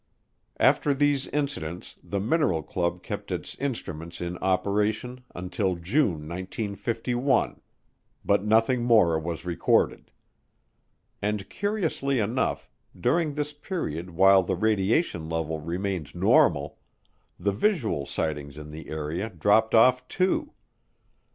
After these incidents the "mineral club" kept its instruments in operation until June 1951, but nothing more was recorded. And, curiously enough, during this period while the radiation level remained normal, the visual sightings in the area dropped off too.